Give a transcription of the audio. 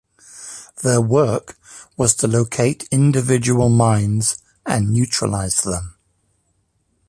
Their work was to locate individual mines and neutralise them.